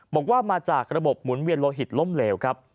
บอกว่ามาจากระบบหมุนเวียนโลหิตล้มเหลวครับ